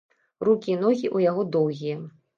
Рукі і ногі ў яго доўгія.